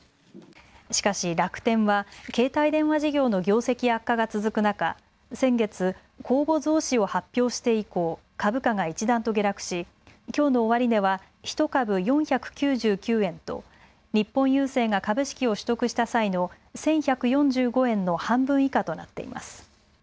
しかし楽天は携帯電話事業の業績悪化が続く中、先月、公募増資を発表して以降、株価が一段と下落し、きょうの終値は１株４９９円と日本郵政が株式を取得した際の１１４５円の半分以下となっています。